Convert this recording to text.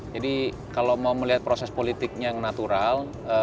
jadi kalau mau melihat proses politik yang natural